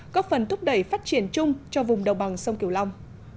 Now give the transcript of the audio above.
góp phần thúc đẩy phát triển chung cho vùng đồng bằng sông kiều long